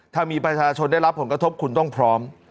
ถ้ามีประชาชนได้รับผลกระทบคุณต้องพร้อม